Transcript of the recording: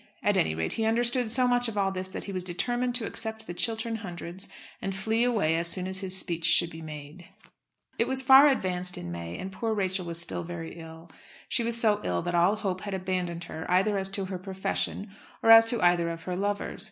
At any rate, he understood so much of all this that he was determined to accept the Chiltern Hundreds and flee away as soon as his speech should be made. It was far advanced in May, and poor Rachel was still very ill. She was so ill that all hope had abandoned her either as to her profession or as to either of her lovers.